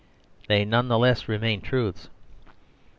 They none the less re main truths.